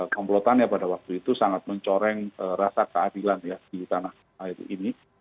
komplotannya pada waktu itu sangat mencoreng rasa keadilan ya di tanah air ini